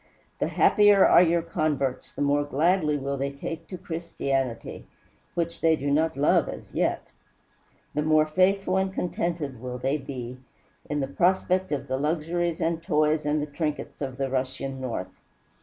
The happier are your converts, the more kindly will they take to Christianity which they do not love as yet! the more faithful and contented will they be, in the prospect of the luxuries and the toys and the trinkets of the Russian north.